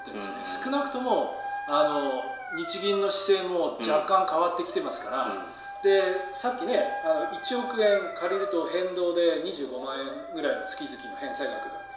少なくとも日銀の姿勢も若干変わってきてますからさっき、１億円借りると変動で２５万円ぐらいの月々の返済額だと。